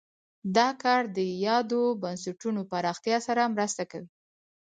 دا کار د یادو بنسټونو پراختیا سره مرسته کوي.